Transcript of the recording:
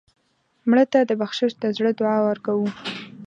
مړه ته د بخشش د زړه دعا ورکوو